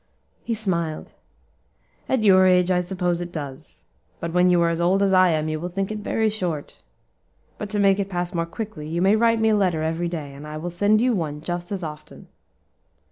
He smiled. "At your age I suppose it does, but when you are as old as I am, you will think it very short. But to make it pass more quickly, you may write me a little letter every day, and I will send you one just as often."